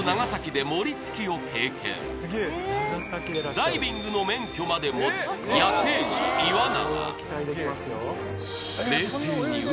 ダイビングの免許まで持つ野生児岩永